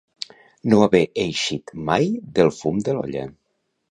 No haver eixit mai del fum de l'olla.